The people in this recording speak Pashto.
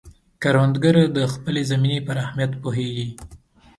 کروندګر د خپلې زمینې پر اهمیت پوهیږي